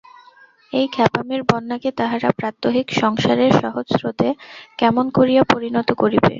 এই খেপামির বন্যাকে তাহারা প্রাত্যহিক সংসারের সহজ স্রোতে কেমন করিয়া পরিণত করিবে।